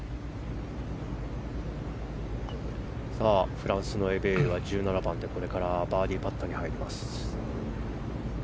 フランスのエベールは１７番でこれからバーディーパットに入ります。